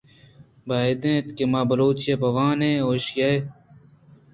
باید اِنت کہ ما بلوچی بہ وان ایں ءُ ایشی ءِ